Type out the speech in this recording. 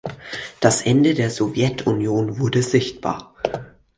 Das Ende der Sowjetunion wurde sichtbar.